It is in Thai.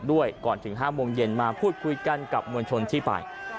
ก่อนถึง๕โมงเย็นมาพูดคุยกันกับมวลชนที่ไป